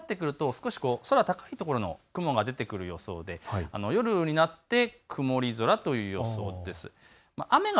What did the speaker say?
夕方になってくると少し空高いところ雲が出てくる予想で夜になって曇り空という予想です。